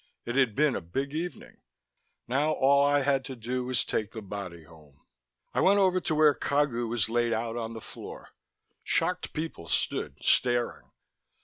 It had been a big evening. Now all I had to do was take the body home.... I went over to where Cagu was laid out on the floor. Shocked people stood staring.